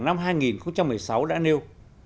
năm hai nghìn một mươi sáu đã nêu